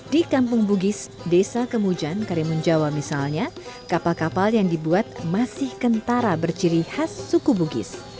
di kampung bugis desa kemujan karimun jawa misalnya kapal kapal yang dibuat masih kentara berciri khas suku bugis